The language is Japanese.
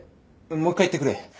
もう一回言ってくれ。